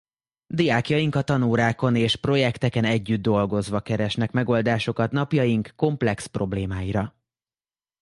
Diákjaink a tanórákon és projekteken együtt dolgozva keresnek megoldásokat napjaink komplex problémáira.